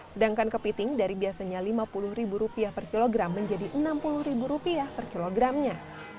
sedangkan kepiting dari biasanya rp lima puluh per kilogram menjadi rp enam puluh per kilogramnya